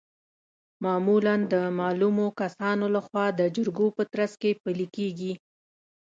معمولا د معلومو کسانو لخوا د جرګو په ترڅ کې پلي کیږي.